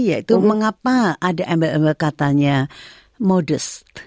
yaitu mengapa ada embel embel katanya modus